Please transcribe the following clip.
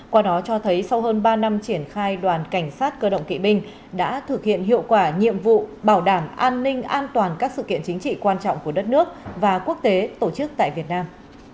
qua đó cho thấy sau hơn ba năm triển khai đoàn cảnh sát cơ động kỵ binh đã thực hiện hiệu quả nhiệm vụ bảo đảm an ninh an toàn các sự kiện chính trị quan trọng của đất nước và quốc tế tổ chức tại việt nam